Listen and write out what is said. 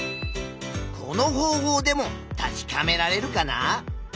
この方法でも確かめられるかな？